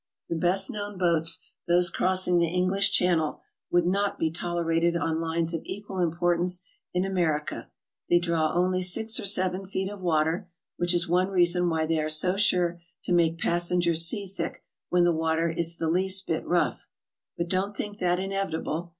The best known boats, those crossing the English Channel, would not be tolerated on lines of equal importance in Amer ica; they draw only six or seven feet of water, which is one reason why they are so sure to make passengers sea sick when the water is the least bit rough. But don't think that inevitable.